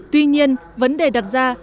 tuy nhiên vấn đề đặt ra